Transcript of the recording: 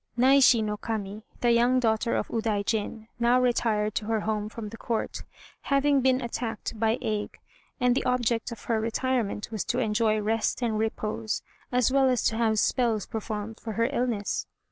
Naishi no Kami, the young daughter of Udaijin, now retired to her home from the Court, having been attacked by ague; and the object of her retirement was to enjoy rest and repose, as well as to have spells performed for her illness.